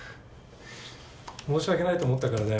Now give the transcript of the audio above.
申し訳ないと思ったからだよ